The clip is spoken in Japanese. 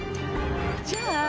じゃあ。